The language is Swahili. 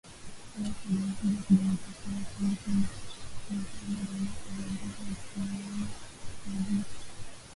Rais wa jamuhuri ya kidemokrasia ya Kongo Felix Tshisekedi alibadilisha viongozi wa kiraia wa Kivu Kaskazini na Ituri na kuwaweka maafisa wa kijeshi katika Kongo